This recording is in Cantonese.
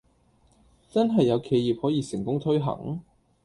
真係有企業可以成功推行?